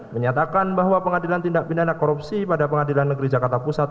menyatakan bahwa pengadilan tindak pidana korupsi pada pengadilan negeri jakarta pusat